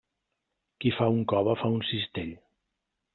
Qui fa un cove fa un cistell.